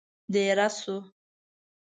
دېره شوو.